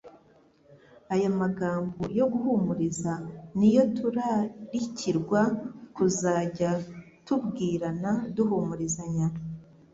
Aya magambo yo guhumuriza ni yo turarikirwa kuzajya tubwirana, duhumurizanya.